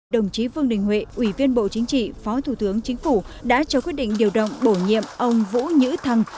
đồng chí vương đình huệ ủy viên bộ chính trị phó thủ tướng chính phủ đã cho quyết định điều động bổ nhiệm ông vũ nhữ thăng